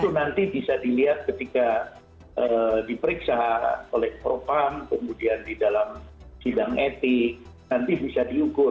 itu nanti bisa dilihat ketika diperiksa oleh propam kemudian di dalam sidang etik nanti bisa diukur